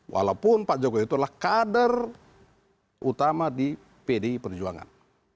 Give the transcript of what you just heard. walaupun pak jokowi itu adalah kader utama di pdi perjuangan